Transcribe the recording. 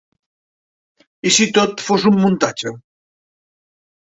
I si tot fos un muntatge?